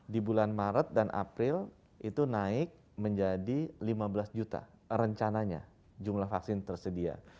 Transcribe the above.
di bulan maret dan april itu naik menjadi lima belas juta rencananya jumlah vaksin tersedia